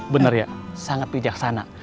bener ya sangat bijaksana